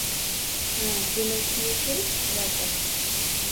Ha, demak, shunga kelibsizlar-da